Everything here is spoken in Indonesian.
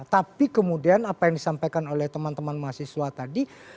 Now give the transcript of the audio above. tapi kemudian apa yang disampaikan oleh teman teman mahasiswa tadi